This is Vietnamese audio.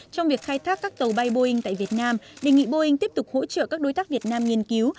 trong việc khai thác các tàu bay boeing tại việt nam đề nghị boeing tiếp tục hỗ trợ các đối tác việt nam nghiên cứu